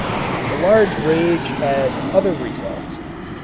The large wage had other results.